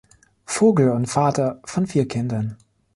Vogel und Vater von vier Kindern.